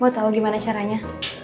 mau tau gimana caranya